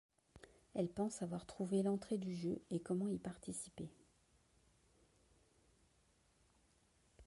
Elle pense avoir trouvé l'entrée du jeu et comment y participer.